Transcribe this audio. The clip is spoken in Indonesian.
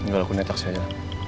nggak laku netak saja